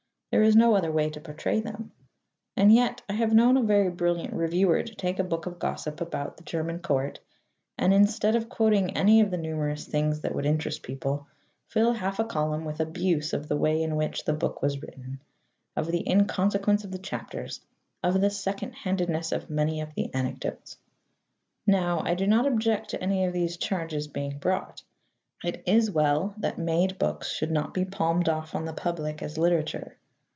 There is no other way to portray them. And yet I have known a very brilliant reviewer take a book of gossip about the German Court and, instead of quoting any of the numerous things that would interest people, fill half a column with abuse of the way in which the book was written, of the inconsequence of the chapters, of the second handedness of many of the anecdotes. Now, I do not object to any of these charges being brought. It is well that "made" books should not be palmed off on the public as literature.